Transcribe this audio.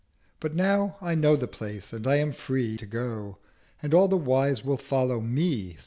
But now I know the Place, and I am free 260 To go, and all the Wise will follow Me.